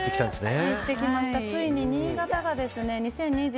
ついに新潟が２０２２年